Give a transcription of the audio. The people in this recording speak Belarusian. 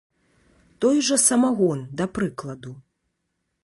Той жа самагон, да прыкладу.